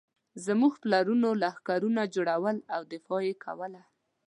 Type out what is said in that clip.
زموږ پلرونو لښکرونه جوړول او دفاع یې کوله.